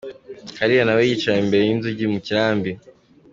Kalira na we yicara imbere y’inzugi mu kirambi.